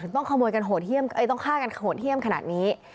ถึงต้องขโมยกันโหดเฮียมอ่ะเอ้ยต้องฆ่ากันโหดเฮียมขนาดนี้